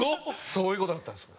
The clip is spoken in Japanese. そういう事だったんですよ。